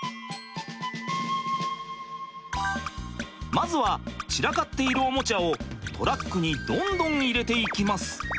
まずは散らかっているおもちゃをトラックにどんどん入れていきます。